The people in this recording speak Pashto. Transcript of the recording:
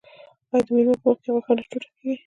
آیا د میلمه په مخکې غوښه نه ټوټه کیږي؟